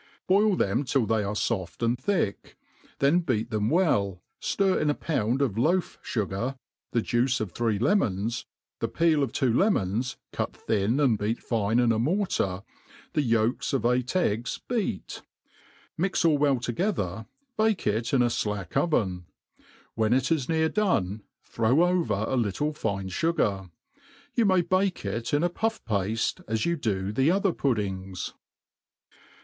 Boil them till they are foft and (hiek ; then beat them well, ftir in a pound of loaf fugar, the juice of three Ie« mons, the peel of two lemons, cut thin and b^at fine in a mor br, the yolks of eight eggs beat ; mix all well together, bake it in a flack oven ; when it is near done, throw over a little i^ne fugar. You ma^ bake it in apufF pafte, as you do the^ pther puddingy.